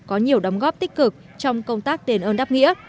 có nhiều đóng góp tích cực trong công tác đền ơn đáp nghĩa